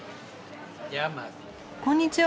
こんにちは。